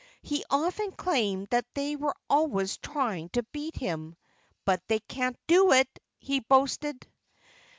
He often claimed that they were always trying to beat him. "But they can't do it," he boasted.